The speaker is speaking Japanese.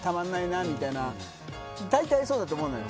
みたいな大体そうだと思うのよ。